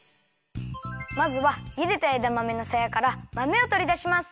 まずはゆでたえだまめのさやからまめをとりだします。